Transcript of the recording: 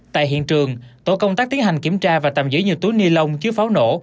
tại hiện trường tổ công tác tiến hành kiểm tra và tạm giữ nhiều túi ni lông chứa pháo nổ